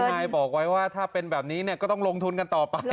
นายบอกไว้ว่าถ้าเป็นแบบนี้ก็ต้องลงทุนกันต่อไป